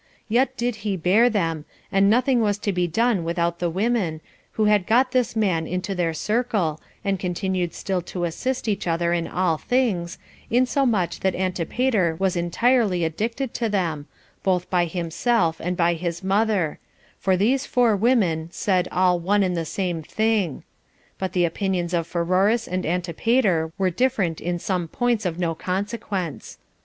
Yet did he bear them, and nothing was to be done without the women, who had got this man into their circle, and continued still to assist each other in all things, insomuch that Antipater was entirely addicted to them, both by himself and by his mother; for these four women, 3 said all one and the same thing; but the opinions of Pheroras and Antipater were different in some points of no consequence.